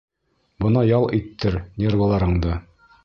Бына ял иттер нервыларыңды!